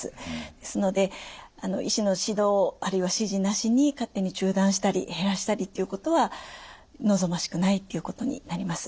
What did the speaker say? ですので医師の指導あるいは指示なしに勝手に中断したり減らしたりっていうことは望ましくないっていうことになります。